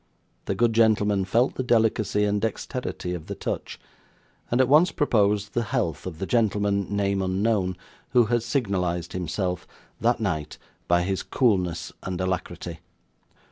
The good gentleman felt the delicacy and dexterity of the touch, and at once proposed the health of the gentleman, name unknown, who had signalised himself, that night, by his coolness and alacrity.